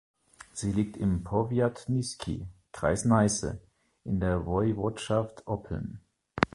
Sie liegt im Powiat Nyski (Kreis Neisse) in der Woiwodschaft Oppeln.